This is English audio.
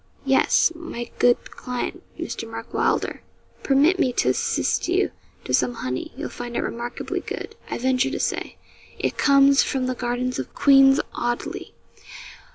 'Yes; my good client, Mr. Mark Wylder. Permit me to assist you to some honey, you'll find it remarkably good, I venture to say; it comes from the gardens of Queen's Audley.